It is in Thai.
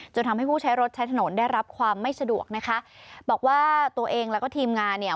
ทำให้ผู้ใช้รถใช้ถนนได้รับความไม่สะดวกนะคะบอกว่าตัวเองแล้วก็ทีมงานเนี่ย